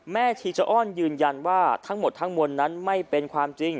ชีจะอ้อนยืนยันว่าทั้งหมดทั้งมวลนั้นไม่เป็นความจริง